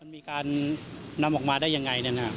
มีการนำออกมาได้ยังไง